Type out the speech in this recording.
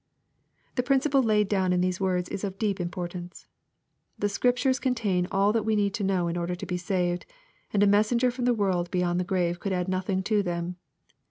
The principle laid down in these words is of deep im portance. The Scriptures contain all that we need to know in order to be saved, and a messenger from the world beyond the grave could add nothing to them.